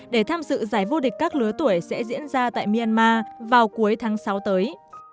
để tham dự giải vô địch các lứa tuổi sẽ diễn ra tại myanmar vào cuối tháng sáu tới